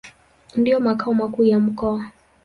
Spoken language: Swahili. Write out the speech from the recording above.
Ndio makao makuu ya mkoa.